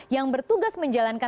yang bertugas menjalankan